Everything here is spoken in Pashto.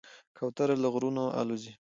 کوتره له غرونو الوزي.